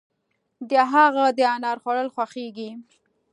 د هغه د انار خوړل خوښيږي.